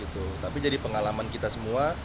tapi jadi pengalaman kita semua